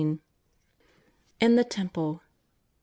IX. IN THE TEMPLE.